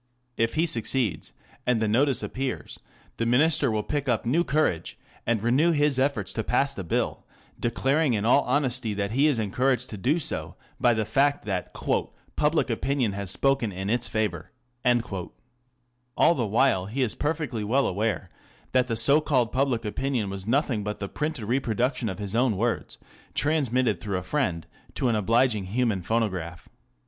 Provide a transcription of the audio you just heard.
If he succeeds, and the notice appears, the Minister will pick up new courage, and renew his efforts to pass the Bill, declaring in all honesty that he is encouraged to do so by the fact that " public opinion has spoken in its favour/' All the while he is perfectly well aware' that the so called public opinion was nothing but the printed reproduction of his own words transmitted through a friend to an obliging human phonograph.